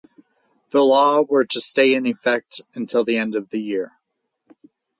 The law were to stay in effect until the end of the year.